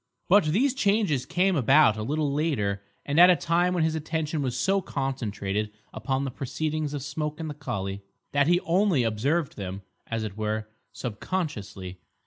But these changes came about a little later, and at a time when his attention was so concentrated upon the proceedings of Smoke and the collie, that he only observed them, as it were, subconsciously.